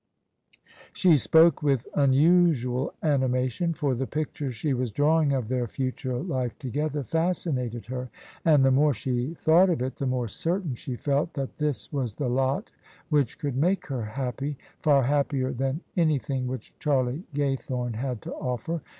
She spoke with unusual animation, for the picture she was drawing of their future life together fascinated her; and the more she thought of it the more certain she felt that this was the lot which could make her happy: far happier than any thing which Charlie Ga3rthome had to offer.